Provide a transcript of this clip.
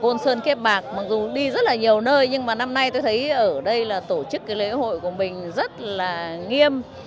côn sơn kiếp bạc mặc dù đi rất là nhiều nơi nhưng mà năm nay tôi thấy ở đây là tổ chức cái lễ hội của mình rất là nghiêm